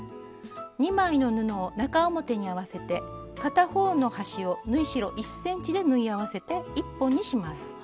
２枚の布を中表に合わせて片方の端を縫い代１ｃｍで縫い合わせて１本にします。